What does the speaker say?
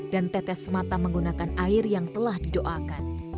dan tetes mata menggunakan air yang telah didoakan